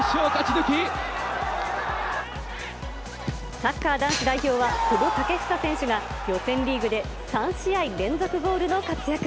サッカー男子代表は、久保建英選手が予選リーグで３試合連続ゴールの活躍。